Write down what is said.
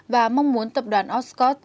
và mong muốn tập đoàn oscot